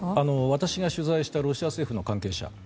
私が取材したロシア政府の関係者